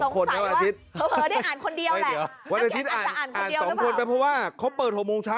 กีธาร์